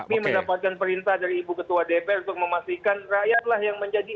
kami mendapatkan perintah dari ibu ketua dpr untuk memastikan rakyatlah yang menjadi